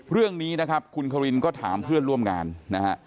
เรื่องนี้นะครับคุณควินก็ถามเพื่อนร่วมงานนะฮะ